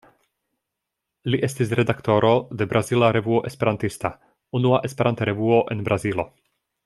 Li estis redaktoro de Brazila Revuo Esperantista, unua Esperanta revuo en Brazilo.